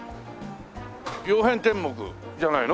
曜変天目じゃないの？